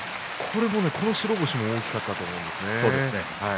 この白星も大きかったと思います。